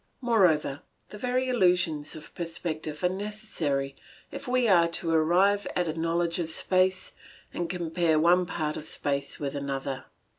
Moreover, the very illusions of perspective are necessary if we are to arrive at a knowledge of space and compare one part of space with another.